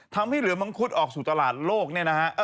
ทำให้เหลือมังคุตออกสู่ตลาดนี้นะฮะ